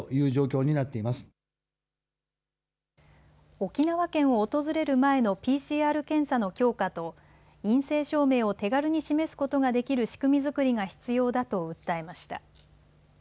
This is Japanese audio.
沖縄県を訪れる前のＰＣＲ検査の強化と陰性証明を手軽に示すことができる仕組み作りが必要だと訴えました。